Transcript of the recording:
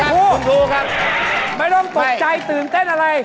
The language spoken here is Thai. โอ้โหดูครับไม่ต้องตกใจตื่นเต้นอะไร